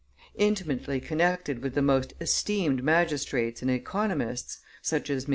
Intimately connected with the most esteemed magistrates and economists, such as MM.